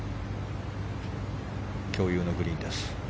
共有のグリーンです。